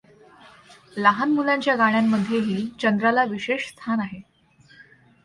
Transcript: लहान मुलांच्या गाण्यांमध्येही चंद्राला विशेष स्थान आहे.